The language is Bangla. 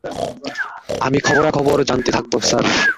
আমি খবরাখবর জানতে থাকব, স্যার।